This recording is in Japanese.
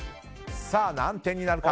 何点になるか。